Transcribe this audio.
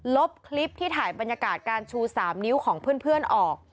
ลบคลิปที่ถ่ายบรรยากาศการชู๓นิ้วของเพื่อนออก